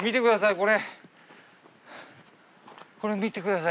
これ。